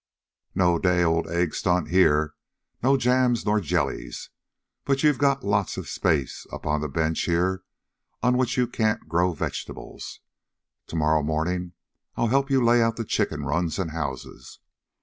"No day old egg stunt here. No jams nor jellies. But you've got lots of space up on the bench here on which you can't grow vegetables. To morrow morning I'll help you lay out the chicken runs and houses.